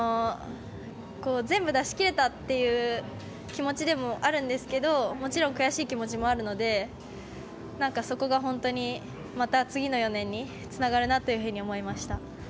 全部出しきれたっていう気持ちでもあるんですけどもちろん悔しい気持ちもあるのでそこが本当に、また次の４年につながるなというふうに思いました。